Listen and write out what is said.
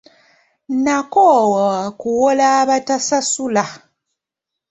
Nakoowa okuwola abatasasula.